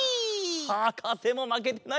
はかせもまけてないぞ。